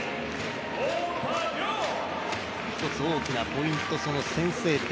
１つ大きなポイント、その先制点、